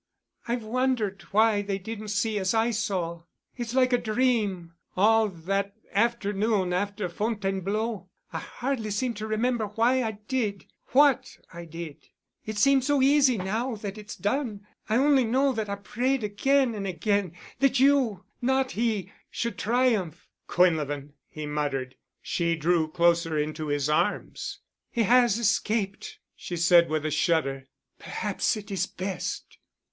"I've wondered why they didn't see as I saw. It's like a dream—all that afternoon after Fontainebleau. I hardly seem to remember why I did what I did. It seems so easy now that it's done. I only know that I prayed again and again—that you—not he—should triumph." "Quinlevin——" he muttered. She drew closer into his arms. "He has escaped," she said with a shudder. "Perhaps it is best."